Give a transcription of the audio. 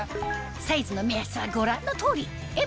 サイズの目安はご覧の通り